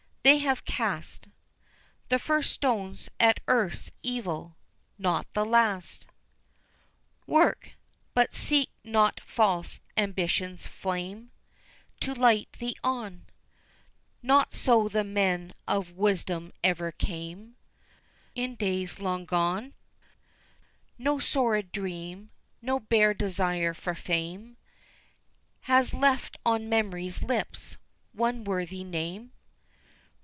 They have cast The first stones at earth's evil not the last. Work! but seek not false Ambition's flame To light thee on; Not so the men of wisdom ever came In days long gone; No sordid dream, no bare desire for Fame Has left on Memory's lips one worthy name.